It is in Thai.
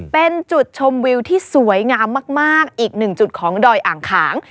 เป็นจุดชมวิวที่สวยงามมากอีกหนึ่งจุดของดอยอ่างขาง